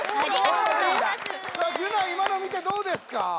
ギュナイ今の見てどうですか？